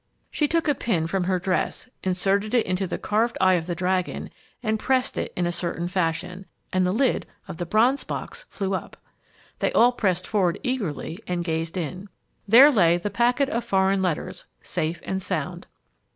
She took a pin from her dress, inserted it into the carved eye of the dragon and pressed it in a certain fashion and the lid of the bronze box flew up! They all pressed forward eagerly and gazed in. There lay the packet of foreign letters, safe and sound.